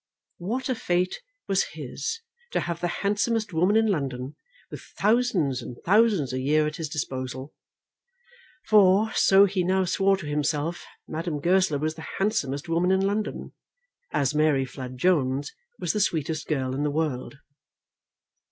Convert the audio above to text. What a fate was his to have the handsomest woman in London with thousands and thousands a year at his disposal! For, so he now swore to himself, Madame Goesler was the handsomest woman in London, as Mary Flood Jones was the sweetest girl in the world.